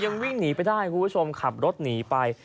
วิ่งหนีไปได้คุณผู้ชมขับรถหนีไป